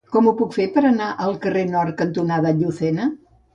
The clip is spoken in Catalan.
Com ho puc fer per anar al carrer Nord cantonada Llucena?